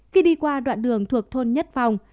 khi đi qua đoạn đường thuộc thôn nhất phong